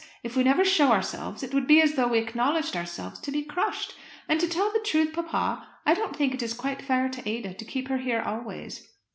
If we never show ourselves it would be as though we acknowledged ourselves to be crushed. And to tell the truth, papa, I don't think it is quite fair to Ada to keep her here always.